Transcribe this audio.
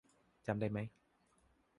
จำได้ไหม ?